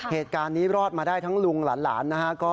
เหตุการณ์นี้รอดมาได้ทั้งลุงหลานนะฮะ